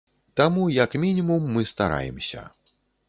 Таму, як мінімум, мы стараемся.